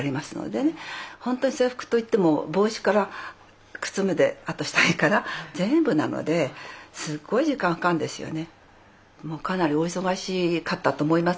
本当に制服といっても帽子から靴まであと下着から全部なのですごい時間かかるんですよね。